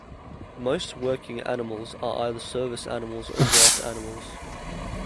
Most working animals are either service animals or draft animals.